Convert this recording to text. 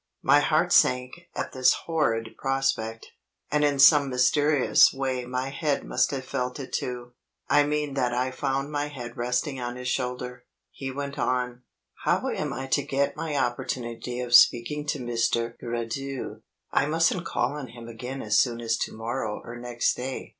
My heart sank at this horrid prospect; and in some mysterious way my head must have felt it too. I mean that I found my head resting on his shoulder. He went on: "How am I to get my opportunity of speaking to Mr. Gracedieu? I mustn't call on him again as soon as to morrow or next day.